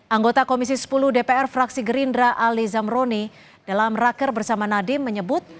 anggota komisi sepuluh dpr fraksi gerindra ali zamroni dalam raker bersama nadiem menyebut